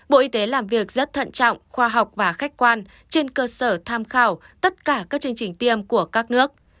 bộ y tế làm việc rất thận trọng khoa học và khách quan trên cơ sở tham khảo tất cả các chương trình tiêm của các nước